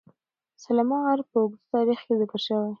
سلیمان غر په اوږده تاریخ کې ذکر شوی.